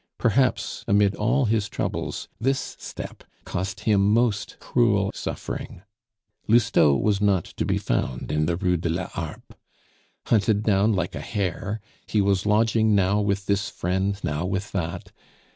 Perhaps, amid all his troubles, this step cost him most cruel suffering. Lousteau was not to be found in the Rue de la Harpe. Hunted down like a hare, he was lodging now with this friend, now with that.